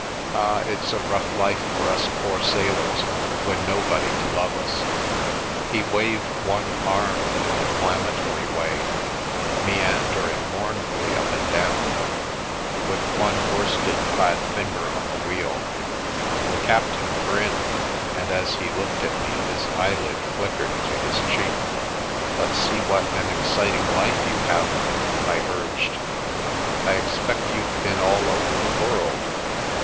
Ah, it's a rough life for us poor sailors, wi' nobody to love us !" He waved one arm in a declamatory way, meander ing mournfully up and down, with one worsted clad finger on the wheel. The captain grinned, and as he looked at me his eyelid flickered to his cheek. " But see what an exciting life you have of it !" I urged. "I expect you've been all over the world."